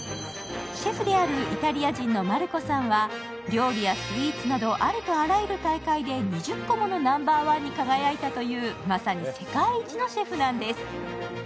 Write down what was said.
シェフであるイタリア人のマルコさんは、料理やスイーツなどありとあらゆる大会で２０個ものナンバーワンに輝いたというまさに世界一のシェフなんです。